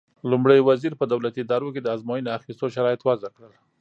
لومړي وزیر په دولتي ادارو کې د ازموینې اخیستو شرایط وضع کړل.